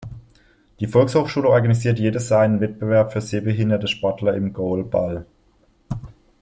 Die Volkshochschule organisiert jedes Jahr einen Wettbewerb für sehbehinderte Sportler im Goalball.